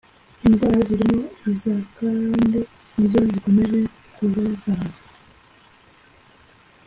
Indwara zirimo iza kazrande nizo zikomeje kubazahaza